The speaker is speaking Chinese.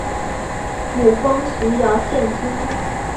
母封余姚县君。